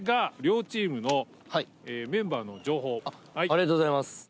ありがとうございます。